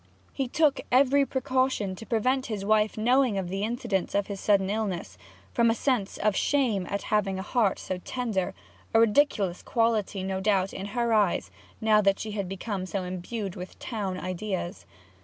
He took every precaution to prevent his wife knowing of the incidents of his sudden illness, from a sense of shame at having a heart so tender; a ridiculous quality, no doubt, in her eyes, now that she had become so imbued with town ideas.